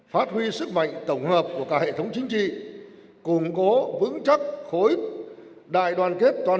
phát huy sức mạnh tổng hợp của cả hệ thống chính trị củng cố vững chắc khối đại đoàn kết toàn